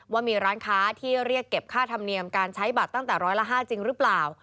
ว่ามีร้านค้าที่เรียกเก็บค่าธรรมเนียมการใช้บัตรตั้งแต่ร้อยละ๕จริงหรือเปล่า